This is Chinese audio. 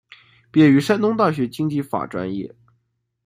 毕业于山东大学经济法专业。